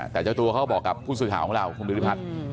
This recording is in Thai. แต่เจ้าตัวเขาบอกกับผู้สื่อข่าวของเราคุณภูริพัฒน์